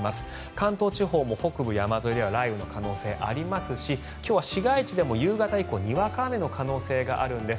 関東地方でも北部山沿いでは雷雨の可能性ありますし今日は市街地でも、夕方以降にわか雨の可能性があるんです。